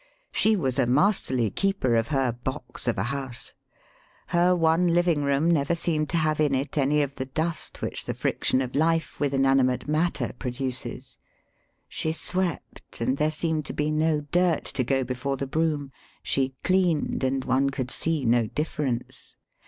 She was a masterly keeper of her box of a house. Her one living room never seemed to have in it any of the dust which the friction of life with inanimate matter produces. [She swept, and there seemed to be no dirt to go before the broom ; she cleaned, and one could see no difference.